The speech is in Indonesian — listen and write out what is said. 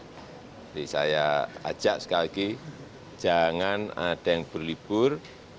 jadi saya ajak sekali lagi jangan ada yang berlibur